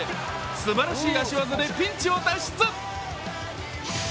すばらしい足技でピンチを脱出。